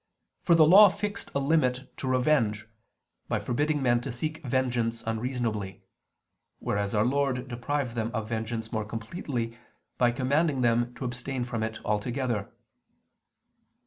For the Law fixed a limit to revenge, by forbidding men to seek vengeance unreasonably: whereas Our Lord deprived them of vengeance more completely by commanding them to abstain from it altogether.